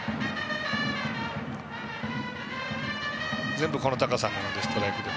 全部、この高さにストライクが。